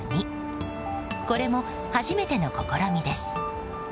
これも初めての試みです。